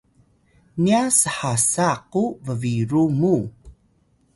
niya shasa ku bbiru muw